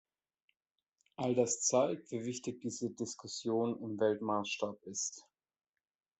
All das zeigt, wie wichtig diese Diskussion im Weltmaßstab ist.